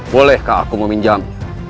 bolehkah aku meminjam